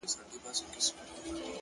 هوډ د نیمګړو امکاناتو ملګری دی